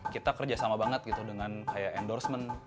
kita kerjasama banget gitu dengan kayak endorsement